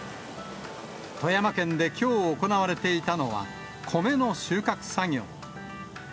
富山県できょう行われていたのは米の収穫作業。